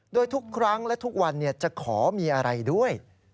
โดยทุกครั้งและทุกวันจะขอมีอะไรด้วย